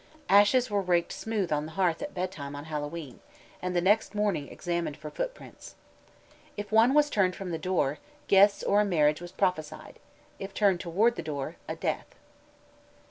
Ashes were raked smooth on the hearth at bedtime on Hallowe'en, and the next morning examined for footprints. If one was turned from the door, guests or a marriage was prophesied; if toward the door, a death.